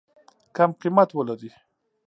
کم قیمت ولري.